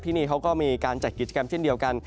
เขาก็มีการจัดกิจกรรมเช่นเดียวกัน